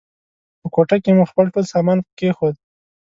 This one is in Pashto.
په کوټه کې مو خپل ټول سامان کېښود.